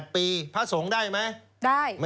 ปีพระสงฆ์ได้ไหม